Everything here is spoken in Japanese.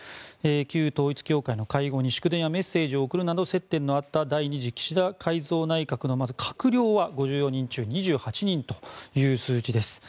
旧統一教会との会合に祝電やメッセージを送るなど接点のあった第２次岸田改造内閣の閣僚は５４人中２８人という数字です。